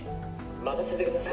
任せてください！